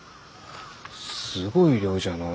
すごい量じゃのう。